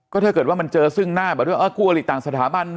ก็ถ้าเกิดว่ามันเจอซึ่งหน้าประโยชน์อ้าฮะกลัวลิต้างสถาบัน